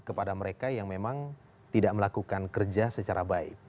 kepada mereka yang memang tidak melakukan kerja secara baik